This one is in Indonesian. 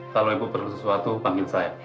kalau ibu perlu sesuatu panggil saya